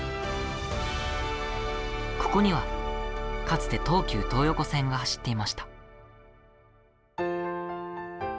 ここにはかつて東急東横線が走っていました。